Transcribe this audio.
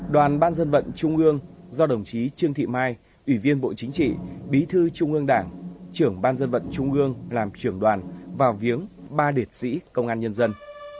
đoàn ban dân vận trung ương do đồng chí trương thị mai ủy viên bộ chính trị bí thư trung ương đảng trưởng ban dân vận trung ương làm trưởng đoàn vào viếng ba liệt sĩ công an nhân dân